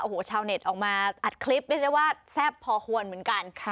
โอ้โหชาวเน็ตออกมาอัดคลิปเรียกได้ว่าแซ่บพอควรเหมือนกัน